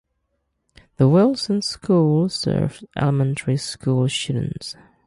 The Wilson School serves elementary school students.